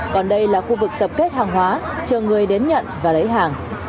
còn đây là khu vực tập kết hàng hóa chờ người đến nhận và lấy hàng